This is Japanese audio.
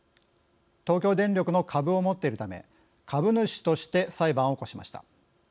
東京電力の株を持っているため株主として裁判を起こしました。